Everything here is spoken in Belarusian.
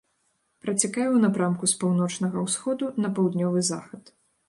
Працякае ў напрамку з паўночнага ўсходу на паўднёвы захад.